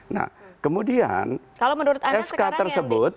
nah kemudian skk tersebut